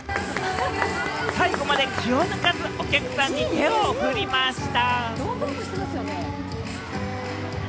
最後まで気を抜かず、お客さんに手をふりました！